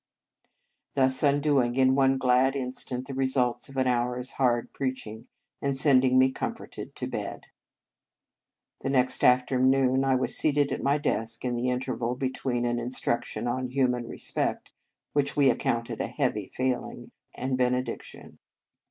" thus undoing in one glad instant the results of an hour s hard preaching, and sending me comforted to bed. The next afternoon I was seated at my desk in the interval between an instruction on " human respect " which we accounted a heavy failing and Benediction.